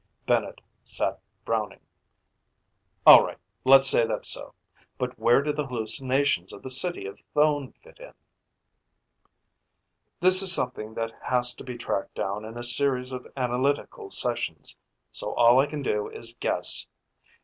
Bennett sat frowning. "All right, let's say that's so. But where do the hallucinations of the city of Thone fit in?" "This is something that has to be tracked down in a series of analytical sessions, so all I can do is guess.